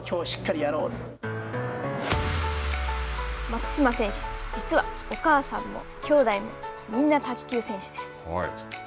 松島選手、実はお母さんもきょうだいもみんな卓球選手です。